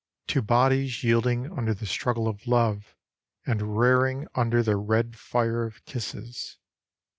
To bodies yielding under the struggle of love And rearing under the red fire of kisses.